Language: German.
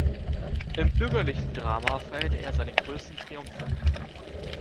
Im bürgerlichen Drama feierte er seine größten Triumphe.